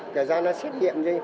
cả gia nó xét nghiệm